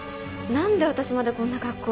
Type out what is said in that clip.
何で私までこんな格好。